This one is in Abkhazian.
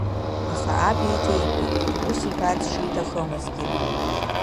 Аха аб еиҭеиҳәеит, ус иҳәарц шиҭахымзгьы.